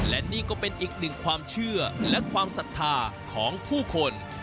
และนี่ก็เป็นอีกหนึ่งความเชื่อและความศรัทธาของผู้คน